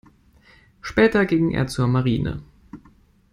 Später ging er zur Marine.